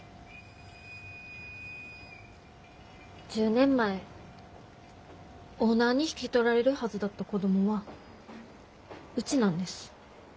１０年前オーナーに引き取られるはずだった子供はうちなんです。